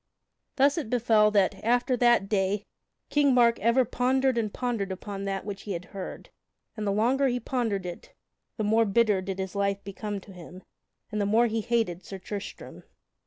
Thus it befell that, after that day, King Mark ever pondered and pondered upon that which he had heard, and the longer he pondered it, the more bitter did his life become to him, and the more he hated Sir Tristram.